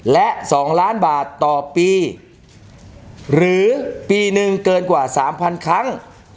และ๒ล้านบาทต่อปีหรือปีหนึ่งเกินกว่า๓๐๐ครั้ง